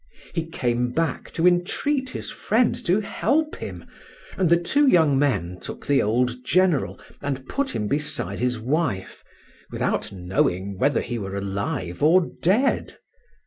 He came back to entreat his friend to help him, and the two young men took the old general and put him beside his wife, without knowing whether he were alive or dead.